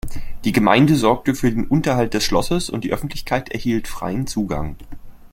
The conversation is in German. Die Gemeinde sorgte für den Unterhalt des Schlosses und die Öffentlichkeit erhielt freien Zugang.